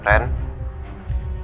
tidak ada yang bisa diberitakan